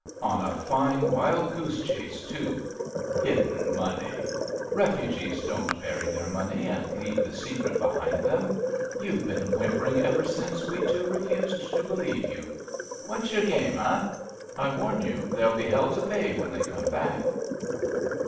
On a fine wildgoose chase, too. Hidden money ! Refugees don't bury their money and leave the secret behind them. You've been whimpering ever since we two refused to believe you. What's your game, eh ? I warn you there'll be hell to pay when they come back.